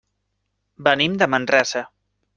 Venim de Manresa.